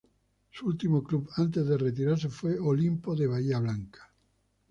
Su último club antes de retirarse fue Olimpo de Bahía Blanca.